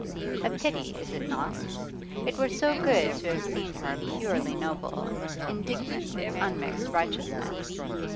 A pity, is it not? It were so good to have seen her purely noble, indignant with unmixed righteousness.